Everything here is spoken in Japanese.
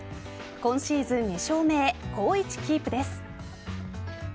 今シーズン２勝目へ好位置キープです。